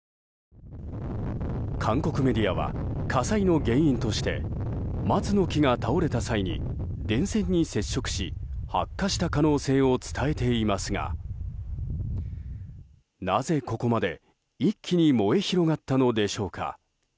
韓国メディアは火災の原因として松の木が倒れた際に電線に接触し発火した可能性を伝えていますがなぜ、ここまで一気に燃え広がったのでしょうか。